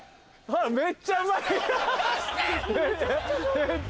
めっちゃうまい！出して！